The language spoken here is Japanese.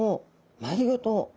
丸ごと。